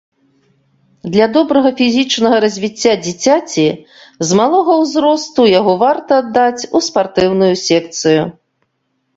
Для добрага фізічнага развіцця дзіцяці з малога ўзросту яго варта аддаць у спартыўную секцыю.